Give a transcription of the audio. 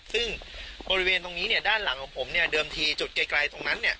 ซึ่งบริเวณตรงนี้ด้านหลังของผมเนี่ยเดิมทีจุดไกลตรงนั้น